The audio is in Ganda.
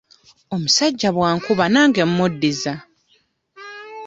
Omusajja bw'ankuba nange mmuddiza.